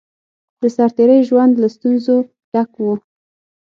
د سرتېری ژوند له ستونزو ډک وو